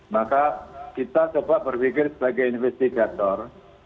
maka kita coba berpikir sebagai investigator